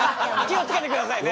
気を付けてくださいね。